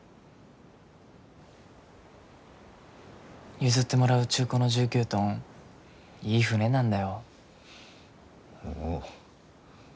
譲ってもらう中古の１９トンいい船なんだよ。